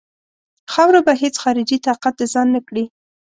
خاوره به هیڅ خارجي طاقت د ځان نه کړي.